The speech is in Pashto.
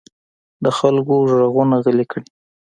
د خلکو غږونه غلي کړي.